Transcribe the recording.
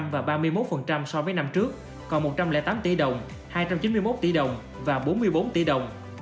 và ba mươi một so với năm trước còn một trăm linh tám tỷ đồng hai trăm chín mươi một tỷ đồng và bốn mươi bốn tỷ đồng